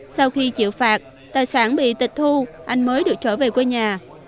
sau khi chịu phạt tài sản bị tịch thu anh mới được trở về quê nhà